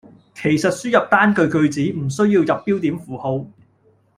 其實輸入單句句子唔需要入標點符號